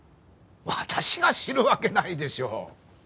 私が知るわけないでしょう！